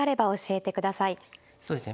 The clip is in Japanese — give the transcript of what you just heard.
そうですね